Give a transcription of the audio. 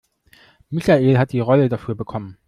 Michael hat die Rolle dafür bekommen.